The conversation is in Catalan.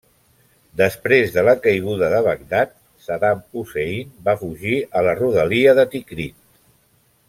Després de la caiguda de Bagdad, Saddam Hussein va fugir a la rodalia de Tikrit.